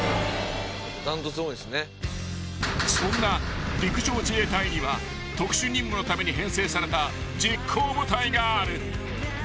［そんな陸上自衛隊には特殊任務のために編成された実行部隊がある］